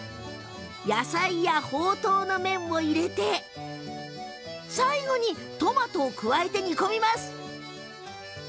野菜や、ほうとうの麺を入れて最後にトマトを加えて煮込みます。